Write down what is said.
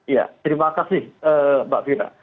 ya terima kasih mbak fira